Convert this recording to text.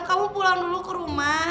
kamu pulang dulu ke rumah